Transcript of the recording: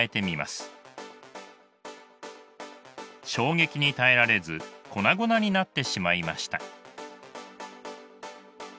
衝撃に耐えられず粉々になってしまいました。